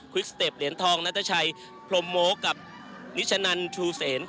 สเต็ปเหรียญทองนัทชัยพรมโม้กับนิชนันชูเซน